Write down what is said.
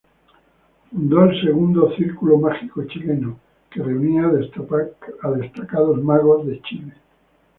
Fundó el segundo "Círculo Mágico Chileno" que reunía a destacados magos de Chile.